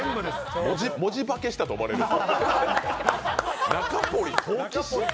文字化けしたと思われるで。